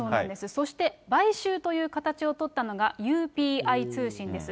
そして買収という形を取ったのが、ＵＰＩ通信です。